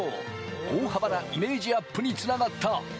大幅なイメージアップにつながった。